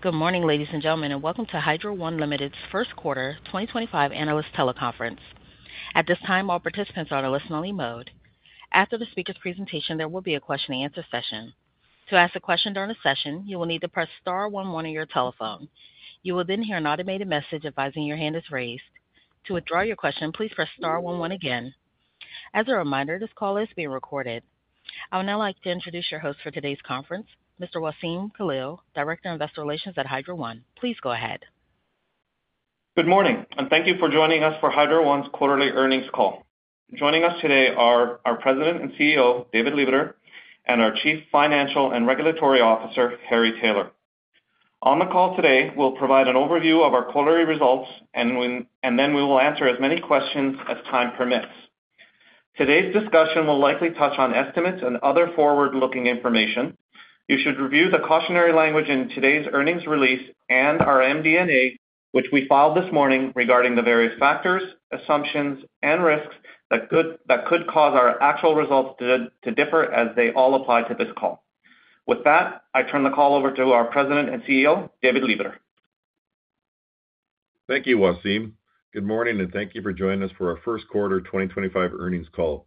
Good morning, ladies and gentlemen, and welcome to Hydro One Limited's first quarter 2025 analyst teleconference. At this time, all participants are on a listen-only mode. After the speaker's presentation, there will be a question-and-answer session. To ask a question during the session, you will need to press star 11 on your telephone. You will then hear an automated message advising your hand is raised. To withdraw your question, please press star 11 again. As a reminder, this call is being recorded. I would now like to introduce your host for today's conference, Mr. Wassem Khalil, Director of Investor Relations at Hydro One. Please go ahead. Good morning, and thank you for joining us for Hydro One's quarterly earnings call. Joining us today are our President and CEO, David Lebeter, and our Chief Financial and Regulatory Officer, Harry Taylor. On the call today, we'll provide an overview of our quarterly results, and then we will answer as many questions as time permits. Today's discussion will likely touch on estimates and other forward-looking information. You should review the cautionary language in today's earnings release and our MD&A, which we filed this morning, regarding the various factors, assumptions, and risks that could cause our actual results to differ, as they all apply to this call. With that, I turn the call over to our President and CEO, David Lebeter. Thank you, Wassem. Good morning, and thank you for joining us for our first quarter 2025 earnings call.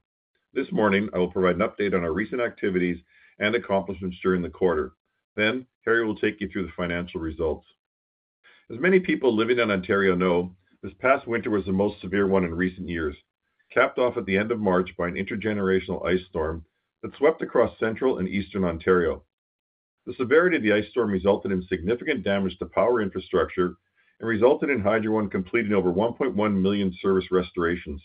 This morning, I will provide an update on our recent activities and accomplishments during the quarter. Then, Harry will take you through the financial results. As many people living in Ontario know, this past winter was the most severe one in recent years, capped off at the end of March by a once-in-a-generation ice storm that swept across central and eastern Ontario. The severity of the ice storm resulted in significant damage to power infrastructure and resulted in Hydro One completing over 1.1 million service restorations.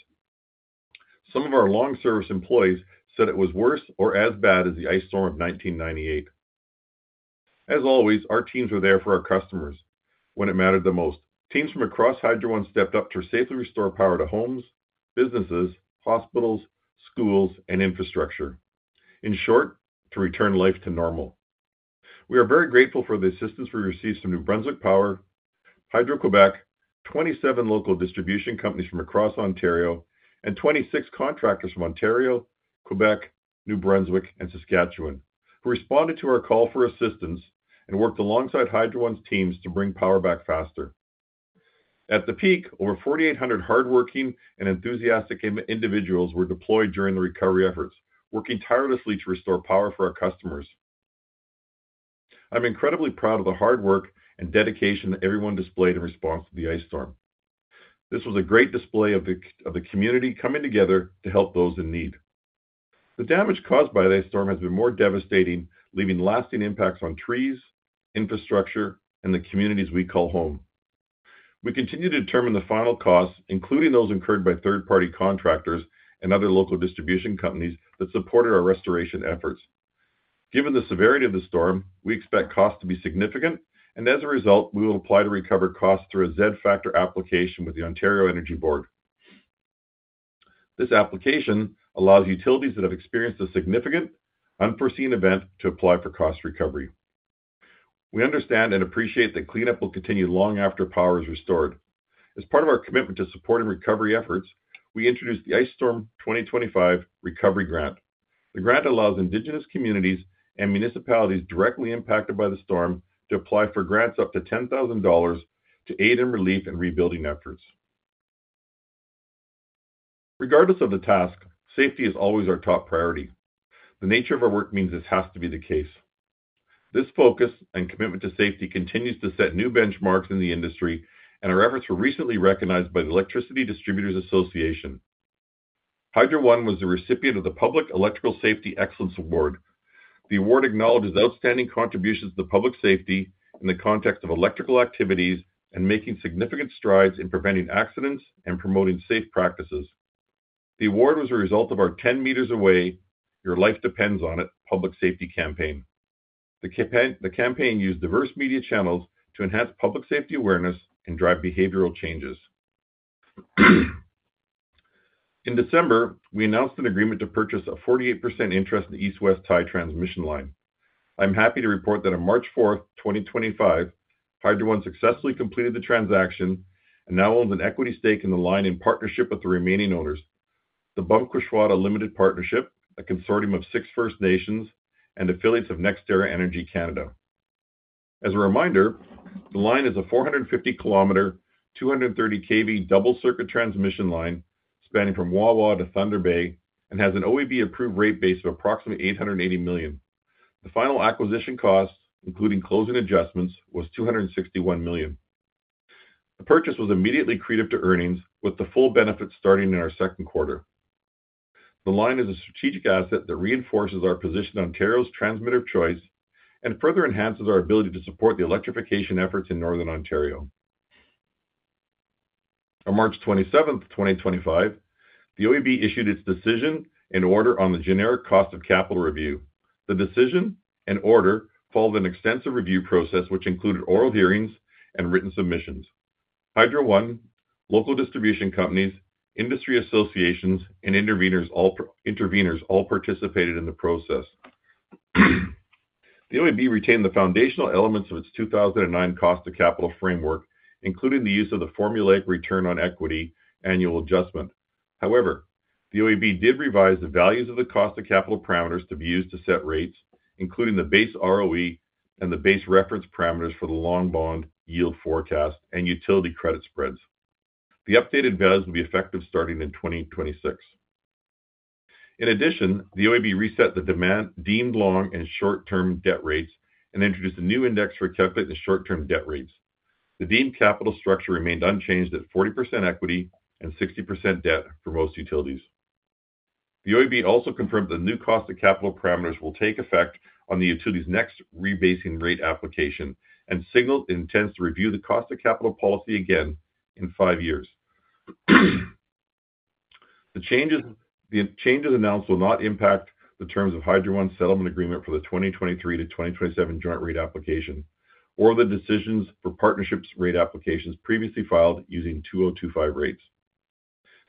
Some of our long-service employees said it was worse or as bad as the ice storm of 1998. As always, our teams were there for our customers when it mattered the most. Teams from across Hydro One stepped up to safely restore power to homes, businesses, hospitals, schools, and infrastructure. In short, to return life to normal. We are very grateful for the assistance we received from New Brunswick Power, Hydro-Québec, 27 local distribution companies from across Ontario, and 26 contractors from Ontario, Quebec, New Brunswick, and Saskatchewan, who responded to our call for assistance and worked alongside Hydro One's teams to bring power back faster. At the peak, over 4,800 hardworking and enthusiastic individuals were deployed during the recovery efforts, working tirelessly to restore power for our customers. I'm incredibly proud of the hard work and dedication that everyone displayed in response to the ice storm. This was a great display of the community coming together to help those in need. The damage caused by the ice storm has been more devastating, leaving lasting impacts on trees, infrastructure, and the communities we call home. We continue to determine the final costs, including those incurred by third-party contractors and other local distribution companies that supported our restoration efforts. Given the severity of the storm, we expect costs to be significant, and as a result, we will apply to recover costs through a Z-Factor application with the Ontario Energy Board. This application allows utilities that have experienced a significant, unforeseen event to apply for cost recovery. We understand and appreciate that cleanup will continue long after power is restored. As part of our commitment to supporting recovery efforts, we introduced the Ice Storm 2025 Recovery Grant. The grant allows Indigenous communities and municipalities directly impacted by the storm to apply for grants up to 10,000 dollars to aid in relief and rebuilding efforts. Regardless of the task, safety is always our top priority. The nature of our work means this has to be the case. This focus and commitment to safety continues to set new benchmarks in the industry, and our efforts were recently recognized by the Electricity Distributors Association. Hydro One was the recipient of the Public Electrical Safety Excellence Award. The award acknowledges outstanding contributions to public safety in the context of electrical activities and making significant strides in preventing accidents and promoting safe practices. The award was a result of our "10 Metres Away, Your Life Depends on It" public safety campaign. The campaign used diverse media channels to enhance public safety awareness and drive behavioral changes. In December, we announced an agreement to purchase a 48% interest in the East-West Tie Transmission Line. I'm happy to report that on March 4, 2025, Hydro One successfully completed the transaction and now owns an equity stake in the line in partnership with the remaining owners, the Bamkushwada Limited Partnership, a consortium of six First Nations, and affiliates of NextEra Energy Canada. As a reminder, the line is a 450 km, 230-kV double-circuit transmission line spanning from Wawa to Thunder Bay and has an OEB-approved rate base of approximately 880 million. The final acquisition cost, including closing adjustments, was 261 million. The purchase was immediately credited to earnings, with the full benefits starting in our second quarter. The line is a strategic asset that reinforces our position in Ontario's transmitter choice and further enhances our ability to support the electrification efforts in northern Ontario. On March 27, 2025, the OEB issued its decision and order on the generic cost of capital review. The decision and order followed an extensive review process, which included oral hearings and written submissions. Hydro One, local distribution companies, industry associations, and intervenors all participated in the process. The OEB retained the foundational elements of its 2009 cost of capital framework, including the use of the formulaic return on equity annual adjustment. However, the OEB did revise the values of the cost of capital parameters to be used to set rates, including the base ROE and the base reference parameters for the long bond yield forecast and utility credit spreads. The updated Base will be effective starting in 2026. In addition, the OEB reset the demand deemed long and short-term debt rates and introduced a new index for capital and short-term debt rates. The deemed capital structure remained unchanged at 40% equity and 60% debt for most utilities. The OEB also confirmed that the new cost of capital parameters will take effect on the utility's next rebasing rate application and signaled it intends to review the cost of capital policy again in five years. The changes announced will not impact the terms of Hydro One's settlement agreement for the 2023 to 2027 joint rate application or the decisions for partnerships' rate applications previously filed using 2025 rates.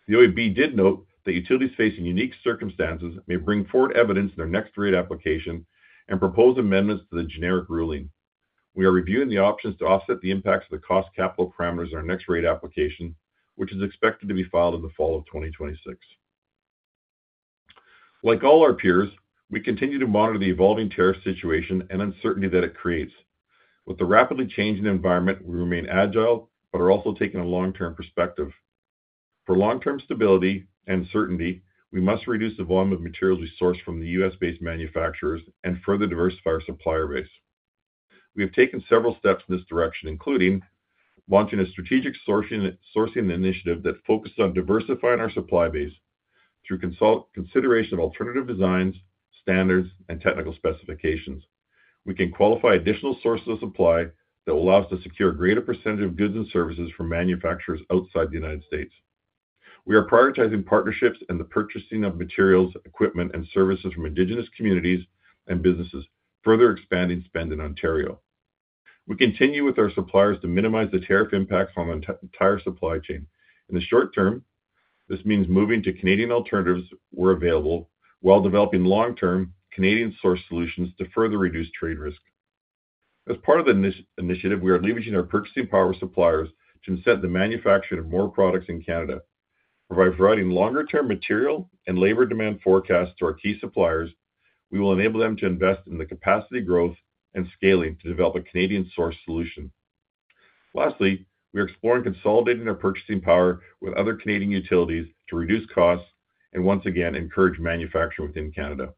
The OEB did note that utilities facing unique circumstances may bring forward evidence in their next rate application and propose amendments to the generic ruling. We are reviewing the options to offset the impacts of the cost of capital parameters in our next rate application, which is expected to be filed in the fall of 2026. Like all our peers, we continue to monitor the evolving tariff situation and uncertainty that it creates. With the rapidly changing environment, we remain agile but are also taking a long-term perspective. For long-term stability and certainty, we must reduce the volume of materials we source from the U.S.-based manufacturers and further diversify our supplier base. We have taken several steps in this direction, including launching a strategic sourcing initiative that focuses on diversifying our supply base through consideration of alternative designs, standards, and technical specifications. We can qualify additional sources of supply that will allow us to secure a greater percentage of goods and services from manufacturers outside the United States. We are prioritizing partnerships in the purchasing of materials, equipment, and services from Indigenous communities and businesses, further expanding spend in Ontario. We continue with our suppliers to minimize the tariff impacts on the entire supply chain. In the short term, this means moving to Canadian alternatives where available while developing long-term Canadian-sourced solutions to further reduce trade risk. As part of the initiative, we are leveraging our purchasing power suppliers to incent the manufacturing of more products in Canada. By providing longer-term material and labor demand forecasts to our key suppliers, we will enable them to invest in the capacity growth and scaling to develop a Canadian-sourced solution. Lastly, we are exploring consolidating our purchasing power with other Canadian utilities to reduce costs and once again encourage manufacturing within Canada.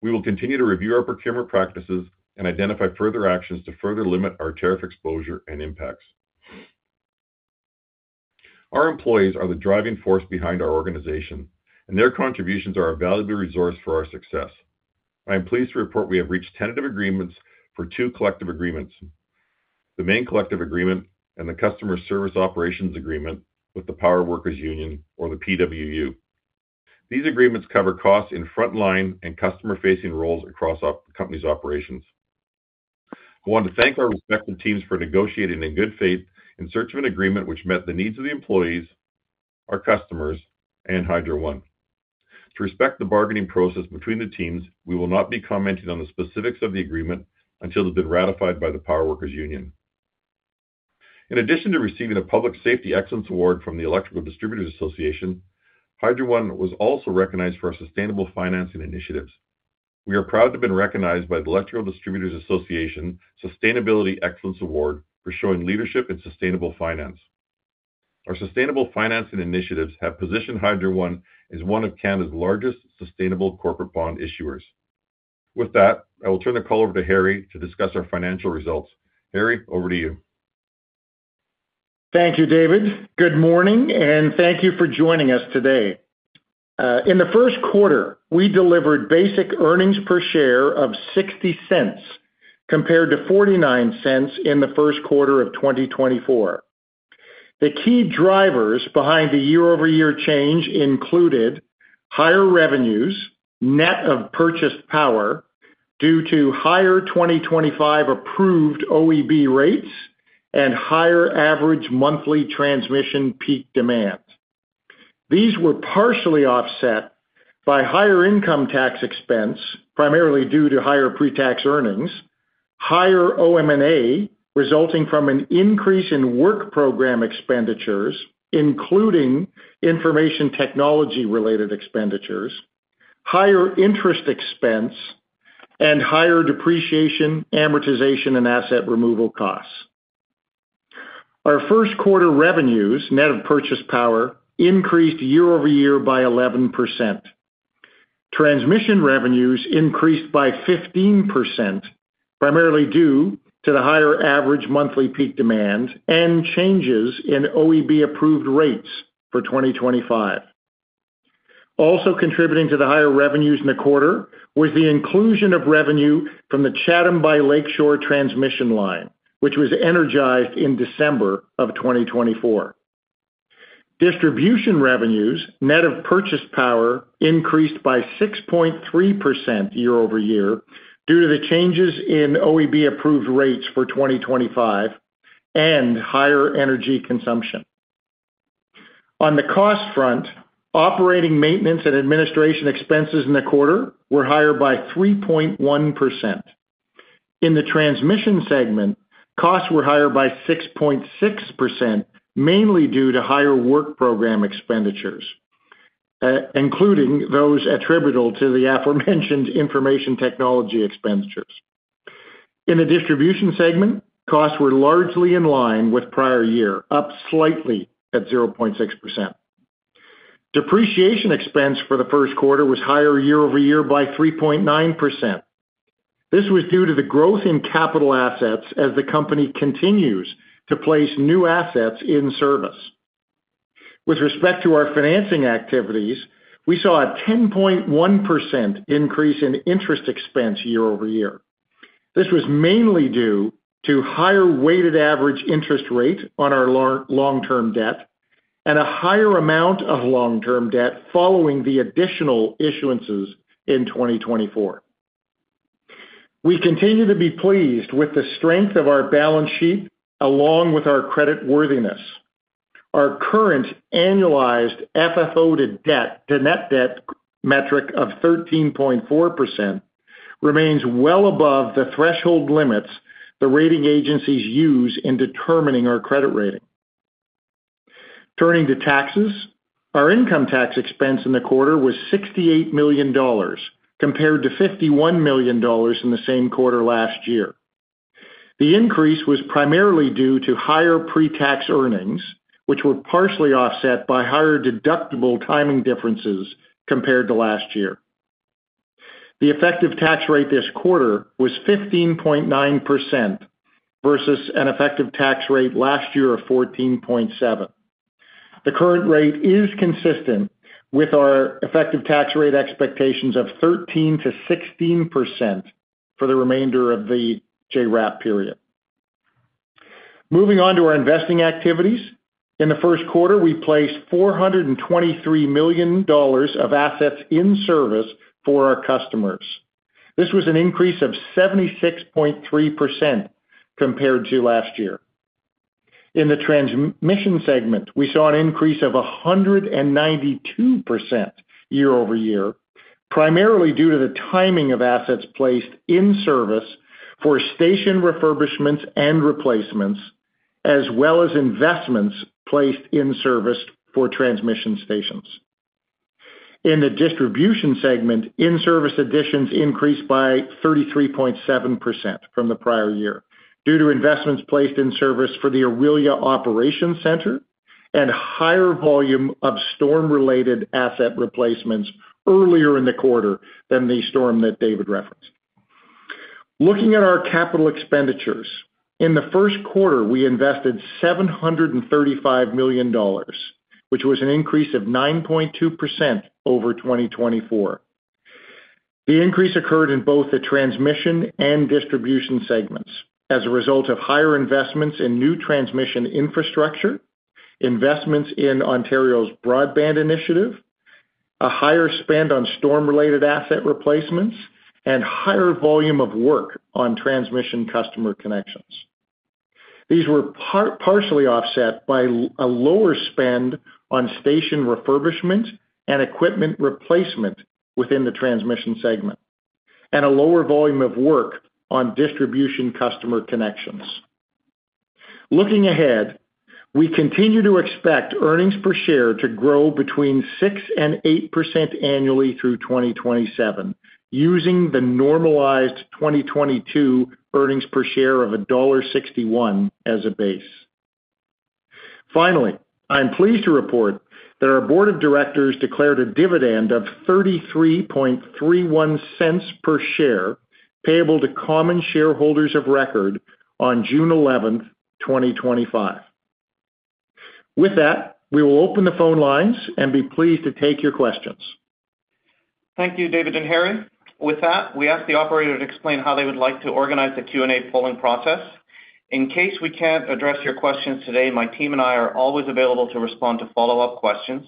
We will continue to review our procurement practices and identify further actions to further limit our tariff exposure and impacts. Our employees are the driving force behind our organization, and their contributions are a valuable resource for our success. I am pleased to report we have reached tentative agreements for two collective agreements: the main collective agreement and the customer service operations agreement with the Power Workers' Union, or the PWU. These agreements cover costs in frontline and customer-facing roles across our company's operations. I want to thank our respective teams for negotiating in good faith in search of an agreement which met the needs of the employees, our customers, and Hydro One. To respect the bargaining process between the teams, we will not be commenting on the specifics of the agreement until it has been ratified by the Power Workers' Union. In addition to receiving a Public Safety Excellence Award from the Electricity Distributors Association, Hydro One was also recognized for our sustainable financing initiatives. We are proud to have been recognized by the Electricity Distributors Association Sustainability Excellence Award for showing leadership in sustainable finance. Our sustainable financing initiatives have positioned Hydro One as one of Canada's largest sustainable corporate bond issuers. With that, I will turn the call over to Harry to discuss our financial results. Harry, over to you. Thank you, David. Good morning, and thank you for joining us today. In the first quarter, we delivered basic earnings per share of 0.60 compared to 0.49 in the first quarter of 2024. The key drivers behind the year-over-year change included higher revenues, net of purchased power due to higher 2025 approved OEB rates and higher average monthly transmission peak demand. These were partially offset by higher income tax expense, primarily due to higher pre-tax earnings, higher OM&A resulting from an increase in work program expenditures, including information technology-related expenditures, higher interest expense, and higher depreciation, amortization, and asset removal costs. Our first quarter revenues, net of purchased power, increased year-over-year by 11%. Transmission revenues increased by 15%, primarily due to the higher average monthly peak demand and changes in OEB-approved rates for 2025. Also contributing to the higher revenues in the quarter was the inclusion of revenue from the Chatham to Lakeshore transmission line, which was energized in December of 2024. Distribution revenues, net of purchased power, increased by 6.3% year-over-year due to the changes in OEB-approved rates for 2025 and higher energy consumption. On the cost front, operating, maintenance, and administration expenses in the quarter were higher by 3.1%. In the transmission segment, costs were higher by 6.6%, mainly due to higher work program expenditures, including those attributable to the aforementioned information technology expenditures. In the distribution segment, costs were largely in line with prior year, up slightly at 0.6%. Depreciation expense for the first quarter was higher year-over-year by 3.9%. This was due to the growth in capital assets as the company continues to place new assets in service. With respect to our financing activities, we saw a 10.1% increase in interest expense year-over-year. This was mainly due to higher weighted average interest rate on our long-term debt and a higher amount of long-term debt following the additional issuances in 2024. We continue to be pleased with the strength of our balance sheet along with our credit worthiness. Our current annualized FFO to net debt metric of 13.4% remains well above the threshold limits the rating agencies use in determining our credit rating. Turning to taxes, our income tax expense in the quarter was 68 million dollars compared to 51 million dollars in the same quarter last year. The increase was primarily due to higher pre-tax earnings, which were partially offset by higher deductible timing differences compared to last year. The effective tax rate this quarter was 15.9% versus an effective tax rate last year of 14.7%. The current rate is consistent with our effective tax rate expectations of 13%-16% for the remainder of the JRAP period. Moving on to our investing activities, in the first quarter, we placed 423 million dollars of assets in service for our customers. This was an increase of 76.3% compared to last year. In the transmission segment, we saw an increase of 192% year-over-year, primarily due to the timing of assets placed in service for station refurbishments and replacements, as well as investments placed in service for transmission stations. In the distribution segment, in-service additions increased by 33.7% from the prior year due to investments placed in service for the Orillia Operations Centre and higher volume of storm-related asset replacements earlier in the quarter than the storm that David referenced. Looking at our capital expenditures, in the first quarter, we invested 735 million dollars, which was an increase of 9.2% over 2024. The increase occurred in both the transmission and distribution segments as a result of higher investments in new transmission infrastructure, investments in Ontario's broadband initiative, a higher spend on storm-related asset replacements, and higher volume of work on transmission customer connections. These were partially offset by a lower spend on station refurbishment and equipment replacement within the transmission segment and a lower volume of work on distribution customer connections. Looking ahead, we continue to expect earnings per share to grow between 6% and 8% annually through 2027, using the normalized 2022 earnings per share of dollar 1.61 as a base. Finally, I am pleased to report that our board of directors declared a dividend of 0.3331 per share payable to common shareholders of record on June 11, 2025. With that, we will open the phone lines and be pleased to take your questions. Thank you, David and Harry. With that, we ask the operator to explain how they would like to organize the Q&A polling process. In case we can't address your questions today, my team and I are always available to respond to follow-up questions.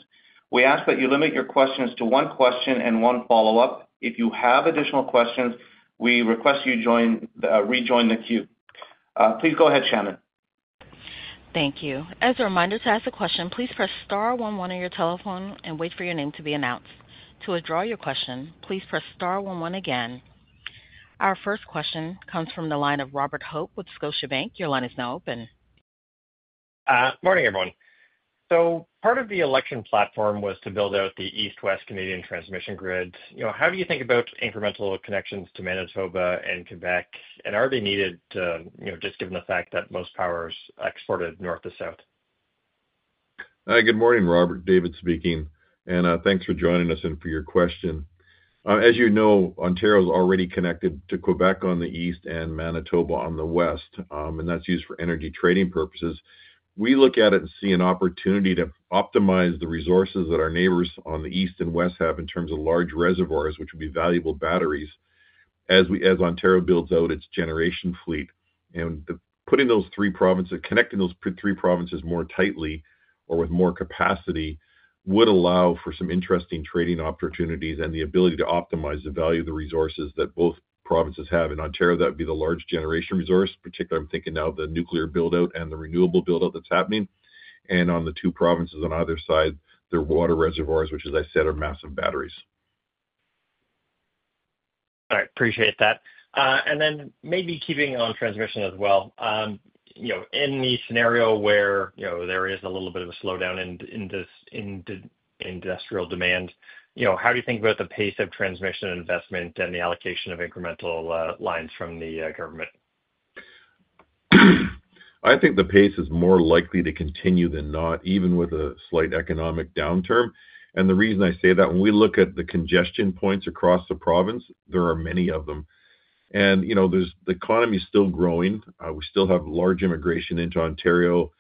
We ask that you limit your questions to one question and one follow-up. If you have additional questions, we request you rejoin the queue. Please go ahead, Shannon. Thank you. As a reminder to ask a question, please press star 11 on your telephone and wait for your name to be announced. To withdraw your question, please press star 11 again. Our first question comes from the line of Robert Hope with Scotiabank. Your line is now open. Morning, everyone. So part of the election platform was to build out the east-west Canadian transmission grid. How do you think about incremental connections to Manitoba and Quebec? And are they needed just given the fact that most power is exported north to south? Good morning, Robert. David speaking. And thanks for joining us and for your question. As you know, Ontario is already connected to Quebec on the east and Manitoba on the west, and that's used for energy trading purposes. We look at it and see an opportunity to optimize the resources that our neighbors on the east and west have in terms of large reservoirs, which would be valuable batteries as Ontario builds out its generation fleet. And putting those three provinces, connecting those three provinces more tightly or with more capacity would allow for some interesting trading opportunities and the ability to optimize the value of the resources that both provinces have. In Ontario, that would be the large generation resource, particularly I'm thinking now of the nuclear buildout and the renewable buildout that's happening. On the two provinces on either side, their water reservoirs, which, as I said, are massive batteries. All right. Appreciate that. And then maybe keeping on transmission as well. In the scenario where there is a little bit of a slowdown in industrial demand, how do you think about the pace of transmission investment and the allocation of incremental lines from the government? I think the pace is more likely to continue than not, even with a slight economic downturn, and the reason I say that, when we look at the congestion points across the province, there are many of them, and the economy is still growing. We still have large immigration into Ontario.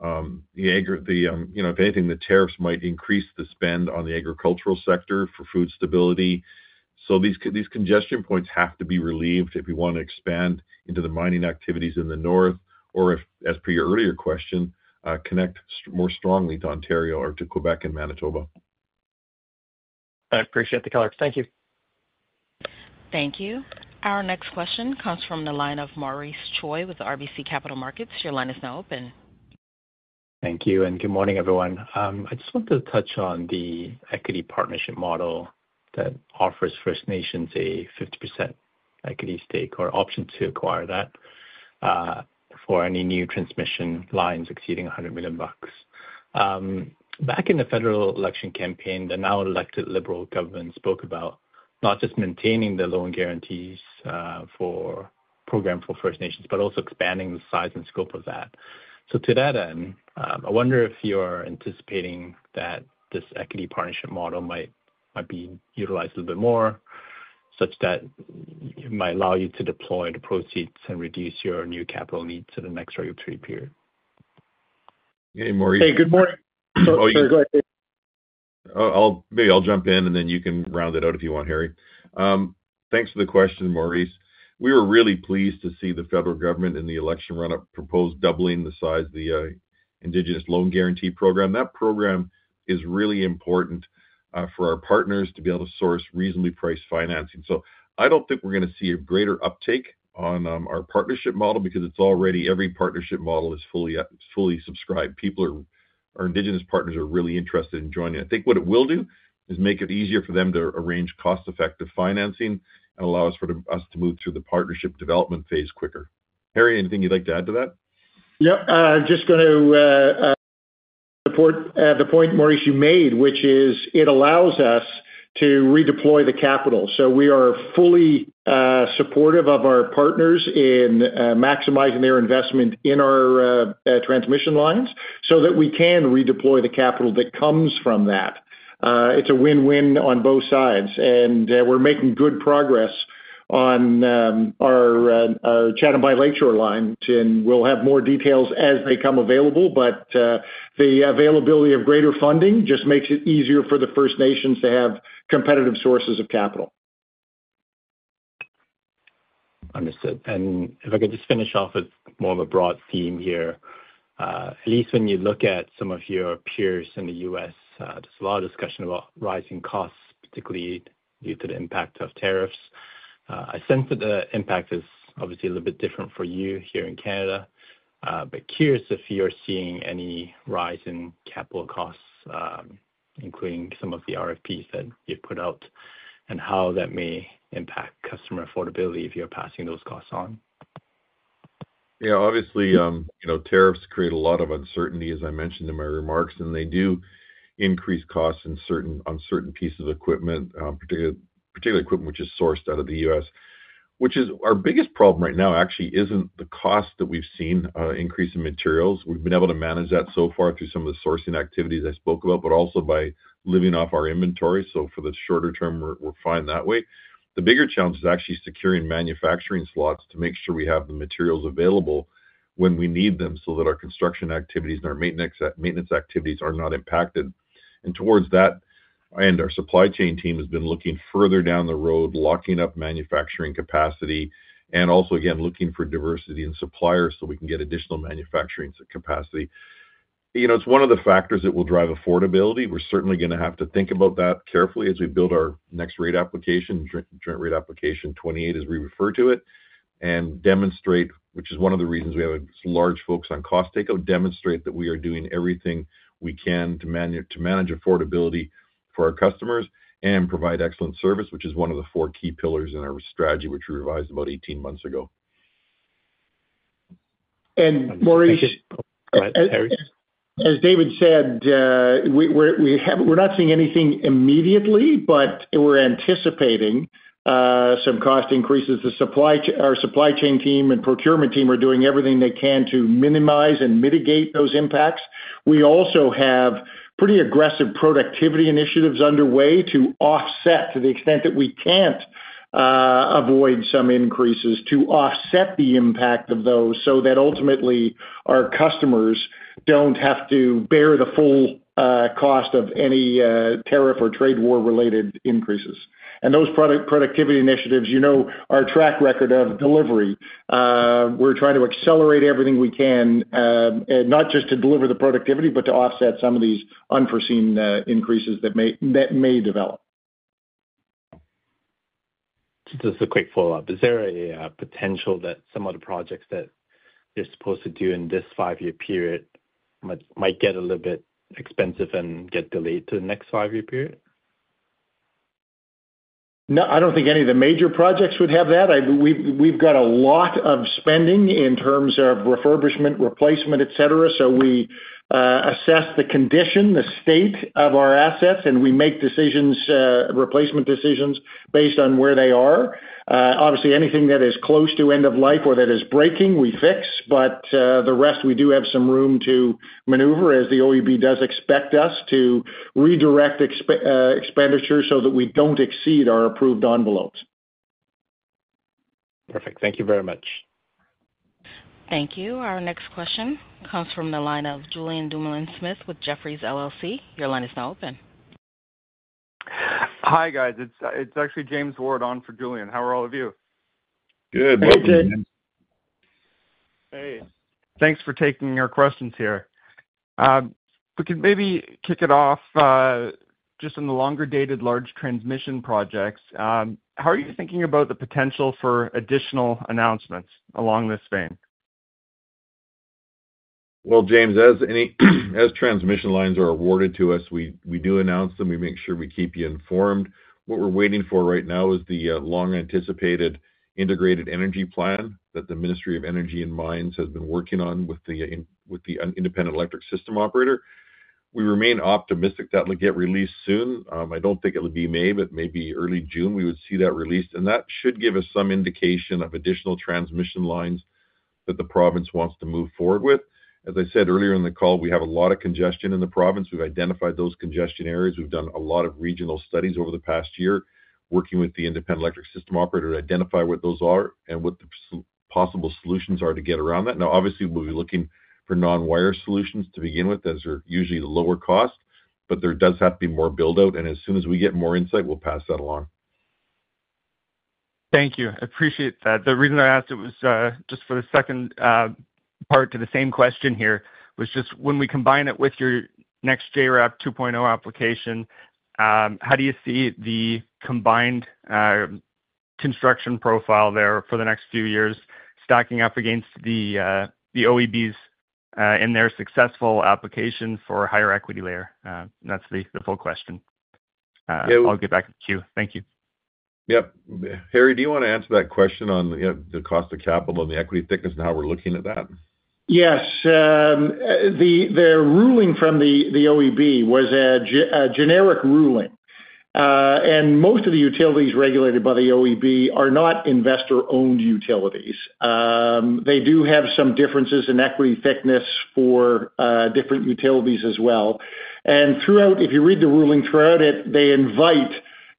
If anything, the tariffs might increase the spend on the agricultural sector for food stability, so these congestion points have to be relieved if we want to expand into the mining activities in the north or, as per your earlier question, connect more strongly to Ontario or to Québec and Manitoba. I appreciate the color. Thank you. Thank you. Our next question comes from the line of Maurice Choy with RBC Capital Markets. Your line is now open. Thank you. Good morning, everyone. I just want to touch on the equity partnership model that offers First Nations a 50% equity stake or option to acquire that for any new transmission lines exceeding 100 million bucks. Back in the federal election campaign, the now-elected Liberal government spoke about not just maintaining the loan guarantees for the program for First Nations, but also expanding the size and scope of that. To that end, I wonder if you are anticipating that this equity partnership model might be utilized a little bit more such that it might allow you to deploy the proceeds and reduce your new capital needs to the next regulatory period. Hey, Maurice. Hey, good morning. Oh, you're good. Maybe I'll jump in, and then you can round it out if you want, Harry. Thanks for the question, Maurice. We were really pleased to see the federal government in the election run-up propose doubling the size of the Indigenous Loan Guarantee Program. That program is really important for our partners to be able to source reasonably priced financing. So I don't think we're going to see a greater uptake on our partnership model because it's already every partnership model is fully subscribed. Our Indigenous partners are really interested in joining. I think what it will do is make it easier for them to arrange cost-effective financing and allow us to move through the partnership development phase quicker. Harry, anything you'd like to add to that? Yep. I'm just going to support the point, Maurice, you made, which is it allows us to redeploy the capital. So we are fully supportive of our partners in maximizing their investment in our transmission lines so that we can redeploy the capital that comes from that. It's a win-win on both sides. And we're making good progress on our Chatham to Lakeshore line. And we'll have more details as they come available, but the availability of greater funding just makes it easier for the First Nations to have competitive sources of capital. Understood. And if I could just finish off with more of a broad theme here. At least when you look at some of your peers in the U.S., there's a lot of discussion about rising costs, particularly due to the impact of tariffs. I sense that the impact is obviously a little bit different for you here in Canada, but curious if you're seeing any rise in capital costs, including some of the RFPs that you've put out, and how that may impact customer affordability if you're passing those costs on? Yeah. Obviously, tariffs create a lot of uncertainty, as I mentioned in my remarks, and they do increase costs on certain pieces of equipment, particularly equipment which is sourced out of the U.S. Our biggest problem right now actually isn't the cost that we've seen increase in materials. We've been able to manage that so far through some of the sourcing activities I spoke about, but also by living off our inventory. So for the shorter term, we're fine that way. The bigger challenge is actually securing manufacturing slots to make sure we have the materials available when we need them so that our construction activities and our maintenance activities are not impacted. And towards that, our supply chain team has been looking further down the road, locking up manufacturing capacity, and also, again, looking for diversity in suppliers so we can get additional manufacturing capacity. It's one of the factors that will drive affordability. We're certainly going to have to think about that carefully as we build our next rate application, Joint Rate Application 28, as we refer to it, and demonstrate, which is one of the reasons we have large focus on cost takeout, demonstrate that we are doing everything we can to manage affordability for our customers and provide excellent service, which is one of the four key pillars in our strategy, which we revised about 18 months ago. And Maurice. Go ahead, Harry. As David said, we're not seeing anything immediately, but we're anticipating some cost increases. Our supply chain team and procurement team are doing everything they can to minimize and mitigate those impacts. We also have pretty aggressive productivity initiatives underway to offset, to the extent that we can't avoid some increases, to offset the impact of those so that ultimately our customers don't have to bear the full cost of any tariff or trade war-related increases. And those productivity initiatives, you know our track record of delivery. We're trying to accelerate everything we can, not just to deliver the productivity, but to offset some of these unforeseen increases that may develop. Just as a quick follow-up, is there a potential that some of the projects that you're supposed to do in this five-year period might get a little bit expensive and get delayed to the next five-year period? No, I don't think any of the major projects would have that. We've got a lot of spending in terms of refurbishment, replacement, etc. So we assess the condition, the state of our assets, and we make replacement decisions based on where they are. Obviously, anything that is close to end of life or that is breaking, we fix. But the rest, we do have some room to maneuver, as the OEB does expect us to redirect expenditures so that we don't exceed our approved envelopes. Perfect. Thank you very much. Thank you. Our next question comes from the line of Julian Dumoulin-Smith with Jefferies LLC. Your line is now open. Hi, guys. It's actually James Ward on for Julian. How are all of you? Good. Good, James. Hey. Thanks for taking our questions here. We could maybe kick it off just in the longer-dated large transmission projects. How are you thinking about the potential for additional announcements along this vein? James, as transmission lines are awarded to us, we do announce them. We make sure we keep you informed. What we're waiting for right now is the long-anticipated integrated energy plan that the Ministry of Energy and Mines has been working on with the Independent Electricity System Operator. We remain optimistic that will get released soon. I don't think it will be May, but maybe early June, we would see that released. And that should give us some indication of additional transmission lines that the province wants to move forward with. As I said earlier in the call, we have a lot of congestion in the province. We've identified those congestion areas. We've done a lot of regional studies over the past year working with the Independent Electricity System Operator to identify what those are and what the possible solutions are to get around that. Now, obviously, we'll be looking for non-wire solutions to begin with, as they're usually the lower cost, but there does have to be more buildout. And as soon as we get more insight, we'll pass that along. Thank you. I appreciate that. The reason I asked it was just for the second part to the same question here was just when we combine it with your next JRAP 2.0 application, how do you see the combined construction profile there for the next few years stacking up against the OEB's in their successful application for a higher equity layer? And that's the full question. I'll get back to the queue. Thank you. Yep. Harry, do you want to answer that question on the cost of capital and the equity thickness and how we're looking at that? Yes. The ruling from the OEB was a generic ruling. And most of the utilities regulated by the OEB are not investor-owned utilities. They do have some differences in equity thickness for different utilities as well. And if you read the ruling throughout it, they invite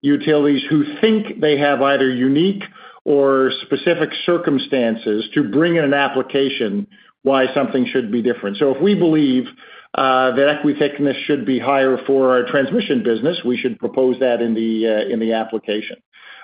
utilities who think they have either unique or specific circumstances to bring in an application why something should be different. So if we believe that equity thickness should be higher for our transmission business, we should propose that in the application.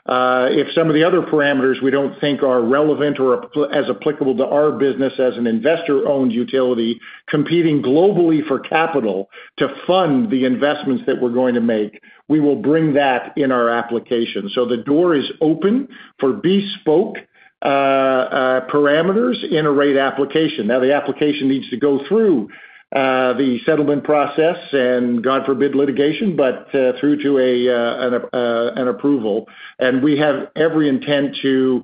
If some of the other parameters we don't think are relevant or as applicable to our business as an investor-owned utility competing globally for capital to fund the investments that we're going to make, we will bring that in our application. So the door is open for bespoke parameters in a rate application. Now, the application needs to go through the settlement process and, God forbid, litigation, but through to an approval, and we have every intent to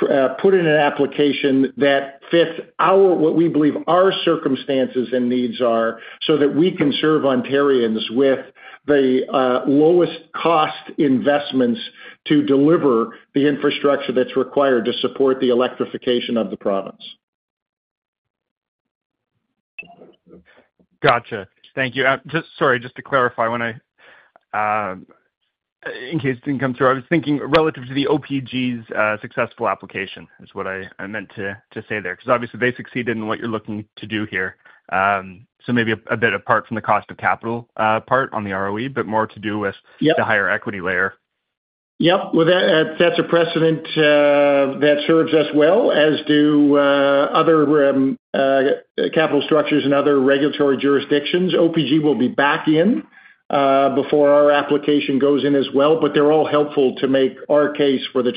put in an application that fits what we believe our circumstances and needs are so that we can serve Ontarians with the lowest cost investments to deliver the infrastructure that's required to support the electrification of the province. Gotcha. Thank you. Sorry, just to clarify in case it didn't come through, I was thinking relative to the OPG's successful application is what I meant to say there because obviously they succeeded in what you're looking to do here. So maybe a bit apart from the cost of capital part on the ROE, but more to do with the higher equity layer. Yep. Well, that's a precedent that serves us well, as do other capital structures and other regulatory jurisdictions. OPG will be back in before our application goes in as well, but they're all helpful to make our case for the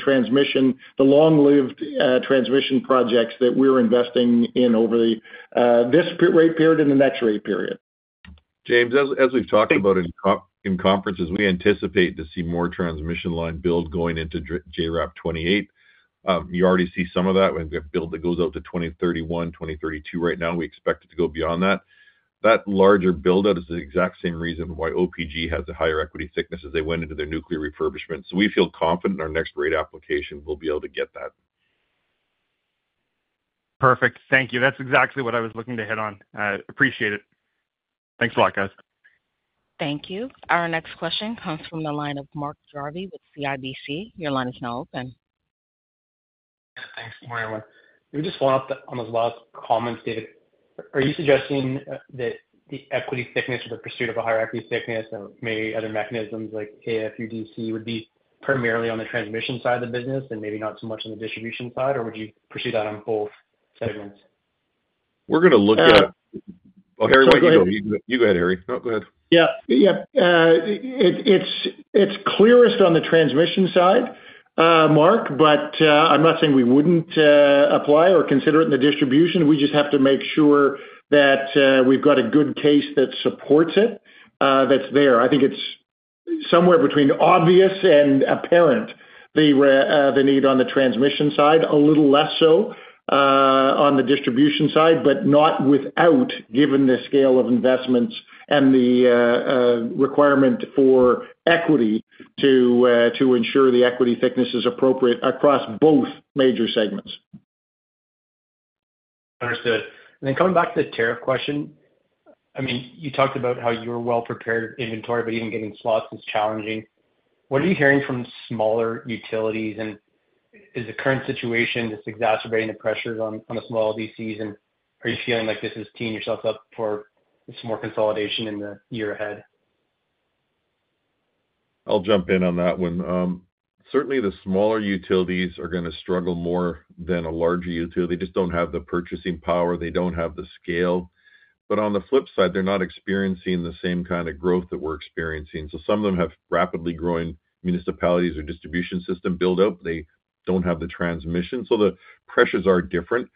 long-lived transmission projects that we're investing in over this rate period and the next rate period. James, as we've talked about in conferences, we anticipate to see more transmission line build going into JRAP 2028. You already see some of that when we have a build that goes out to 2031, 2032 right now. We expect it to go beyond that. That larger buildout is the exact same reason why OPG has a higher equity thickness as they went into their nuclear refurbishment. So we feel confident our next rate application will be able to get that. Perfect. Thank you. That's exactly what I was looking to hit on. I appreciate it. Thanks a lot, guys. Thank you. Our next question comes from the line of Mark Jarvi with CIBC. Your line is now open. Thanks, Marion. Let me just follow up on those last comments, David. Are you suggesting that the equity thickness or the pursuit of a higher equity thickness and maybe other mechanisms like AFUDC would be primarily on the transmission side of the business and maybe not so much on the distribution side, or would you pursue that on both segments? We're going to look at. Oh, Harry. You go ahead, Harry. No, go ahead. Yeah. Yeah. It's clearest on the transmission side, Mark, but I'm not saying we wouldn't apply or consider it in the distribution. We just have to make sure that we've got a good case that supports it that's there. I think it's somewhere between obvious and apparent. The need on the transmission side, a little less so on the distribution side, but not without, given the scale of investments and the requirement for equity to ensure the equity thickness is appropriate across both major segments. Understood. And then coming back to the tariff question, I mean, you talked about how you're well-prepared inventory, but even getting slots is challenging. What are you hearing from smaller utilities? And is the current situation just exacerbating the pressures on the small LDCs? And are you feeling like this is teeing yourselves up for some more consolidation in the year ahead? I'll jump in on that one. Certainly, the smaller utilities are going to struggle more than a larger utility. They just don't have the purchasing power. They don't have the scale. But on the flip side, they're not experiencing the same kind of growth that we're experiencing. So some of them have rapidly growing municipalities or distribution system buildup. They don't have the transmission. So the pressures are different.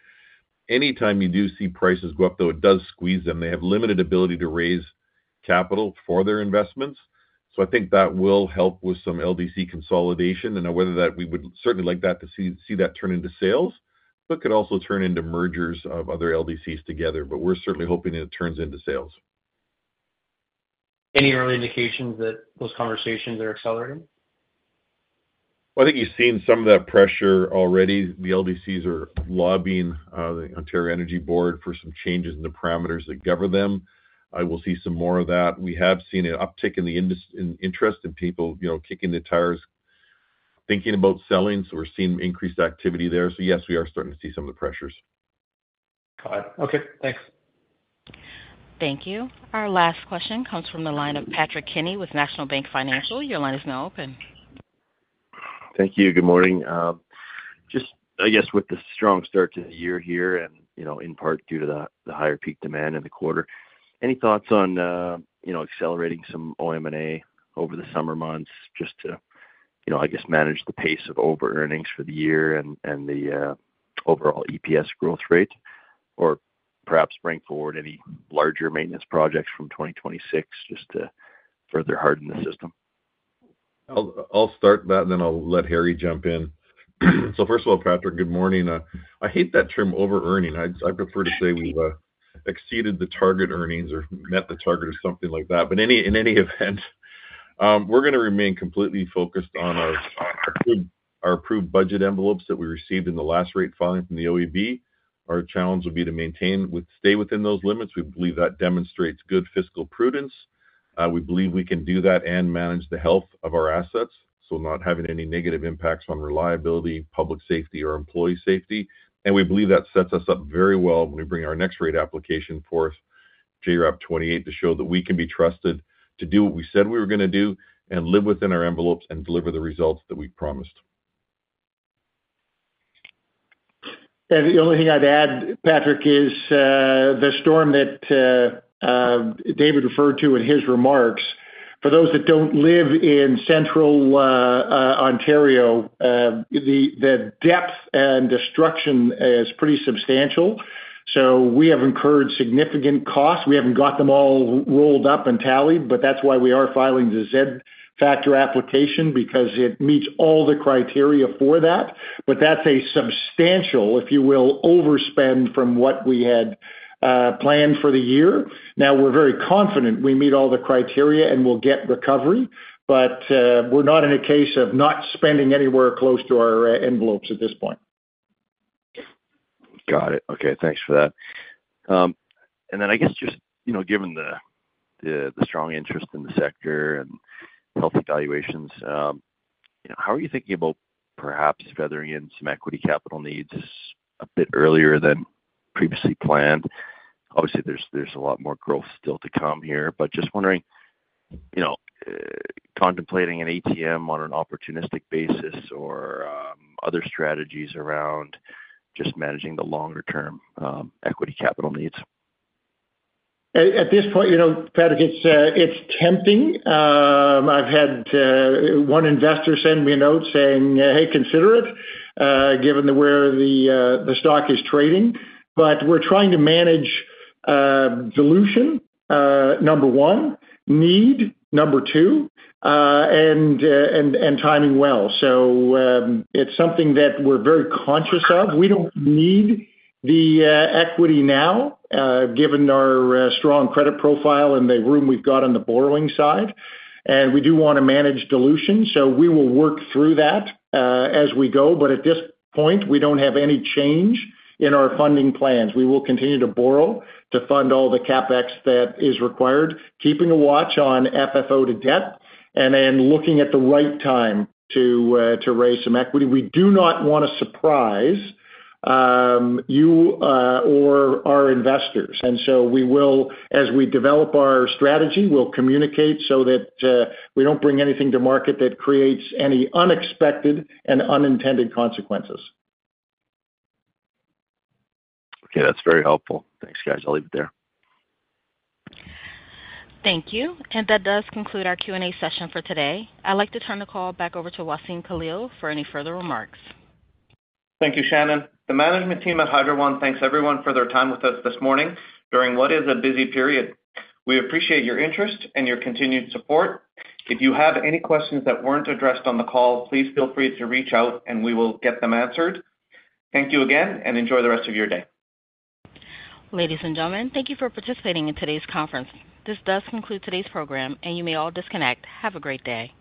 Anytime you do see prices go up, though, it does squeeze them. They have limited ability to raise capital for their investments. So I think that will help with some LDC consolidation, and whether that, we would certainly like to see that turn into sales, but could also turn into mergers of other LDCs together. But we're certainly hoping it turns into sales. Any early indications that those conversations are accelerating? I think you've seen some of that pressure already. The LDCs are lobbying the Ontario Energy Board for some changes in the parameters that govern them. I will see some more of that. We have seen an uptick in the interest in people kicking the tires, thinking about selling. We're seeing increased activity there. Yes, we are starting to see some of the pressures. Got it. Okay. Thanks. Thank you. Our last question comes from the line of Patrick Kenny with National Bank Financial. Your line is now open. Thank you. Good morning. Just, I guess, with the strong start to the year here and in part due to the higher peak demand in the quarter, any thoughts on accelerating some OM&A over the summer months just to, I guess, manage the pace of over-earnings for the year and the overall EPS growth rate or perhaps bring forward any larger maintenance projects from 2026 just to further harden the system? I'll start that, and then I'll let Harry jump in. So first of all, Patrick, good morning. I hate that term over-earning. I'd prefer to say we've exceeded the target earnings or met the target or something like that. But in any event, we're going to remain completely focused on our approved budget envelopes that we received in the last rate filing from the OEB. Our challenge will be to stay within those limits. We believe that demonstrates good fiscal prudence. We believe we can do that and manage the health of our assets, so not having any negative impacts on reliability, public safety, or employee safety. We believe that sets us up very well when we bring our next rate application forth, JRAP 2028, to show that we can be trusted to do what we said we were going to do and live within our envelopes and deliver the results that we promised. And the only thing I'd add, Patrick, is the storm that David referred to in his remarks. For those that don't live in central Ontario, the depth and destruction is pretty substantial. So we have incurred significant costs. We haven't got them all rolled up and tallied, but that's why we are filing the Z-Factor application because it meets all the criteria for that. But that's a substantial, if you will, overspend from what we had planned for the year. Now, we're very confident we meet all the criteria and we'll get recovery, but we're not in a case of not spending anywhere close to our envelopes at this point. Got it. Okay. Thanks for that. And then I guess just given the strong interest in the sector and healthy valuations, how are you thinking about perhaps feathering in some equity capital needs a bit earlier than previously planned? Obviously, there's a lot more growth still to come here, but just wondering, contemplating an ATM on an opportunistic basis or other strategies around just managing the longer-term equity capital needs? At this point, Patrick, it's tempting. I've had one investor send me a note saying, "Hey, consider it," given where the stock is trading. But we're trying to manage dilution, number one, need, number two, and timing well. It's something that we're very conscious of. We don't need the equity now, given our strong credit profile and the room we've got on the borrowing side. We do want to manage dilution, so we will work through that as we go. At this point, we don't have any change in our funding plans. We will continue to borrow to fund all the CapEx that is required, keeping a watch on FFO to debt, and then looking at the right time to raise some equity. We do not want to surprise you or our investors. And so as we develop our strategy, we'll communicate so that we don't bring anything to market that creates any unexpected and unintended consequences. Okay. That's very helpful. Thanks, guys. I'll leave it there. Thank you. And that does conclude our Q&A session for today. I'd like to turn the call back over to Wassem Khalil for any further remarks. Thank you, Shannon. The management team at Hydro One thanks everyone for their time with us this morning during what is a busy period. We appreciate your interest and your continued support. If you have any questions that weren't addressed on the call, please feel free to reach out, and we will get them answered. Thank you again, and enjoy the rest of your day. Ladies and gentlemen, thank you for participating in today's conference. This does conclude today's program, and you may all disconnect. Have a great day.